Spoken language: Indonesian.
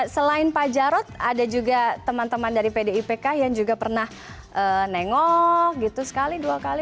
selain pak jarod ada juga teman teman dari pdipk yang juga pernah nengok gitu sekali dua kali